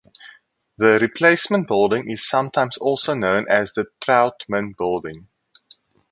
The replacement building is sometimes also known as the Trautman Building.